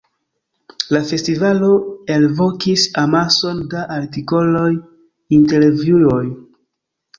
La festivalo elvokis amason da artikoloj, intervjuoj ks.